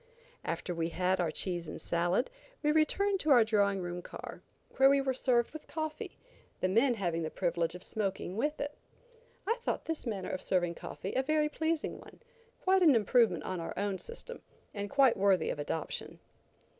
After we had our cheese and salad, we returned to our drawing room car, where we were served with coffee, the men having the privilege of smoking with it. I thought this manner of serving coffee a very pleasing one, quite an improvement on our own system, and quite worthy of adoption.